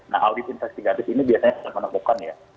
nah audit infeksi gratis ini biasanya sudah menemukan ya